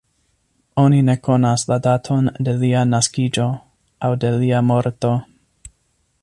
Oni ne konas la daton de lia naskiĝo aŭ de lia morto.